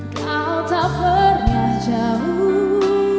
kau tak pernah jauh